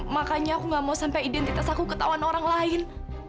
makanya aku gak mau sampai identitas aku ketahuan orang lain